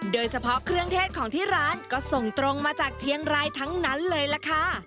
โดยเฉพาะเครื่องเทศของที่ร้านก็ส่งตรงมาจากเชียงรายทั้งนั้นเลยล่ะค่ะ